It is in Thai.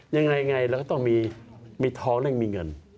ยังไงเราก็ต้องมีท้องและมีเงิน